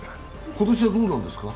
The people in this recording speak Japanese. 今年はどうなんですか？